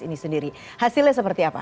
ini sendiri hasilnya seperti apa